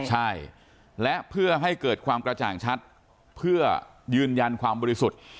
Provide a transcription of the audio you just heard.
ใช่และเพื่อให้เกิดความกระจ่างชัดเพื่อยืนยันความบริสุทธิ์